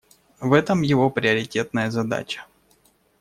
В этом его приоритетная задача.